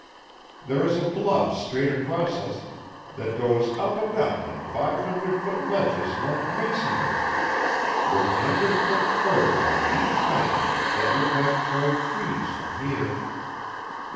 There is a bluff straight across us that goes up and up in five hundred foot ledges like masonry, with hundred foot firs on each bench that look like toy trees from here.